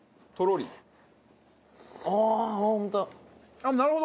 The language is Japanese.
あっなるほど！